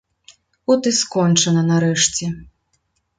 От і скончана нарэшце.